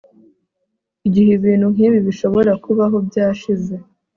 Igihe ibintu nkibi bishobora kubaho byashize